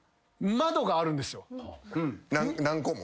何個も？